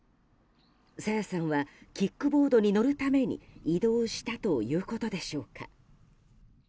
朝芽さんはキックボードに乗るために移動したということでしょうか。